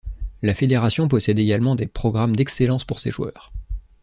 La fédération possède également des programmes d'excellence pour ses joueurs.